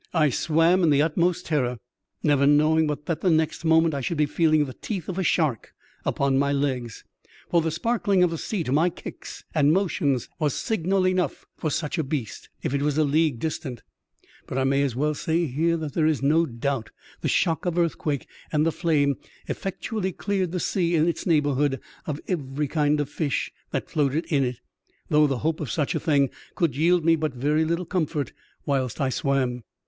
I swam in the utmost terror, never knowing but that the next moment I should be feeling the teeth of a shark upon my legs, for the sparkling of the sea to my kicks and motions was signal enough for such a beast if it was a league distant ; but I may as well say here that there is no doubt the shock of earth quake and the flame effectually cleared the sea in its neighbourhood of every kind of fish that floated in it, though the hope of such a thing could yield me but very little comfort whilst I swam.